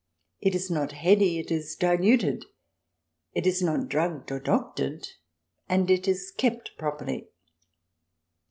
It is not heady, it is diluted ; it is not drugged or doctored, and it is kept properly.